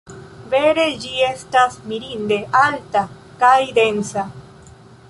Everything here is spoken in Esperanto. Vere, ĝi estas mirinde alta kaj densa.